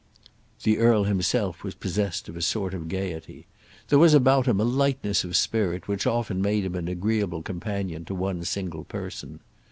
The earl himself was possessed of a sort of gaiety. There was about him a lightness of spirit which often made him an agreeable companion to one single person.